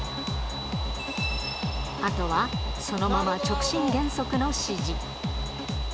あとはそのまま直進減速の指示。